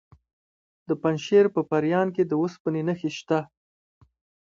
د پنجشیر په پریان کې د اوسپنې نښې شته.